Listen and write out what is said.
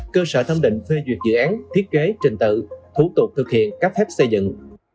cơ sở thẩm định phê duyệt dự án thiết kế trình tự thủ tục thực hiện cấp phép xây dựng